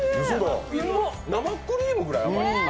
生クリームぐらい甘いよ。